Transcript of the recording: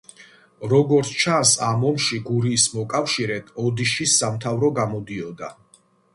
როგორც ჩანს, ამ ომში გურიის მოკავშირედ ოდიშის სამთავრო გამოდიოდა.